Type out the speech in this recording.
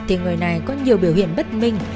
thì người này có nhiều biểu hiện bất minh